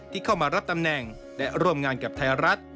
ที่เข้ามารับตำแหน่งและร่วมงานกับไทยรัฐ